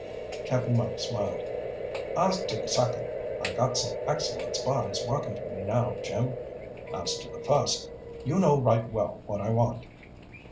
Cap'n Mike smiled. "As to the second, I got some excellent spies working for me now, Jim. As to the first, you know right well what I want."